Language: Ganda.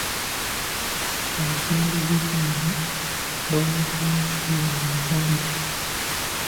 Abakulembeze b'ennono baweebwa nnyo ekitiibwa mu Uganda.